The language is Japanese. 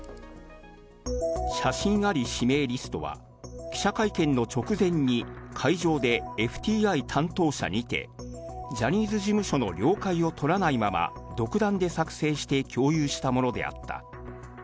写真あり指名リストは、記者会見の直前に会場でＦＴＩ担当者にて、ジャニーズ事務所の了解を取らないまま、独断で作成して共有したものであった。